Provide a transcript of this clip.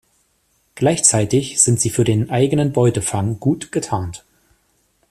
Gleichzeitig sind sie für den eigenen Beutefang gut getarnt.